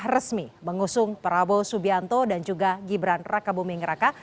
resmi mengusung prabowo subianto dan juga gibran raka buming raka